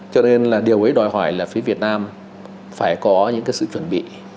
cho nên là điều ấy đòi hỏi là phía việt nam phải có những cái sự chuẩn bị